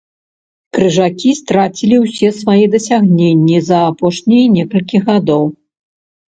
Крыжакі страцілі ўсе свае дасягненні за апошнія некалькі гадоў.